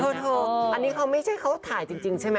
ทานี้ไม่ใช่เขาถ่ายจริงใช่มั้ย